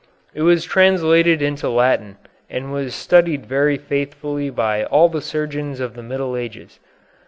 It was translated into Latin, and was studied very faithfully by all the surgeons of the Middle Ages.